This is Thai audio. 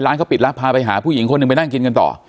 เขาปิดแล้วพาไปหาผู้หญิงคนหนึ่งไปนั่งกินกันต่อ